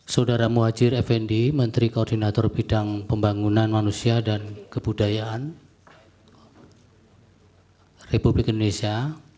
saudara muhajir effendi menteri koordinator bidang pembangunan manusia dan kebudayaan republik indonesia